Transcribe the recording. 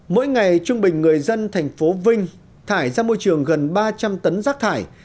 mỗi ngày trung bình người dân thành phố vinh thải ra môi trường gần ba trăm linh tấn rác thải